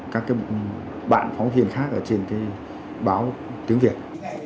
các cái bạn phóng viên khác ở trên cái báo tiếng việt